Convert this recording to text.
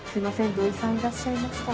土井さんいらっしゃいますか？